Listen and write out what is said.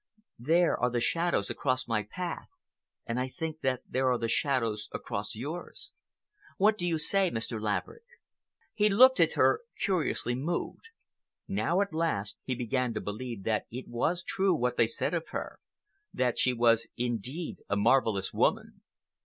There are the shadows across my path, and I think that there are the shadows across yours. What do you say, Mr. Laverick?" He looked at her, curiously moved. Now at last he began to believe that it was true what they said of her, that she was indeed a marvelous woman.